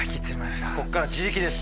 ここからは自力です。